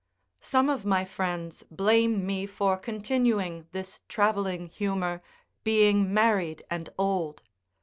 Some of my friends blame me for continuing this travelling humour, being married and old.